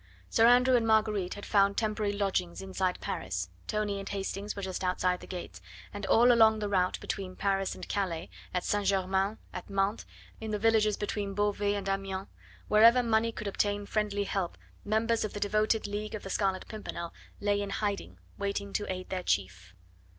Sir Andrew and Marguerite had found temporary lodgings inside Paris, Tony and Hastings were just outside the gates, and all along the route between Paris and Calais, at St. Germain, at Mantes, in the villages between Beauvais and Amiens, wherever money could obtain friendly help, members of the devoted League of the Scarlet Pimpernel lay in hiding, waiting to aid their chief.